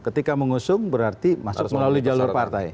ketika mengusung berarti masuk melalui jalur partai